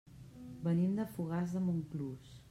Venim de Fogars de Montclús.